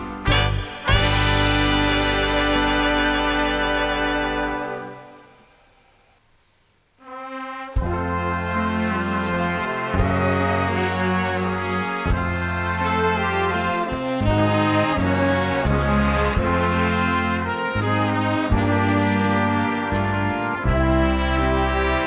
ฉันสุขใจหมายชม